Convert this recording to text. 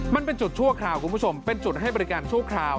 มันเป็นจุดชั่วคราวคุณผู้ชมเป็นจุดให้บริการชั่วคราว